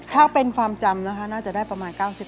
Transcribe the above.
ถ้าเป็นความจำนะคะน่าจะได้ประมาณ๙๐เปอร์เซ็ท